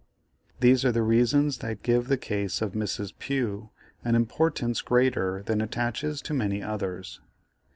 These are the reasons that give the case of Mrs. Pugh an importance greater than attaches to many others.